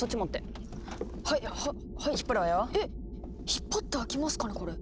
引っ張って開きますかねこれ。